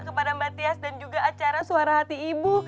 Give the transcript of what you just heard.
kepada mbak tias dan juga acara suara hati ibu